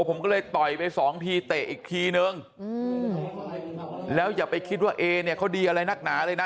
ผมก็เลยต่อยไปสองทีเตะอีกทีนึงแล้วอย่าไปคิดว่าเอเนี่ยเขาดีอะไรนักหนาเลยนะ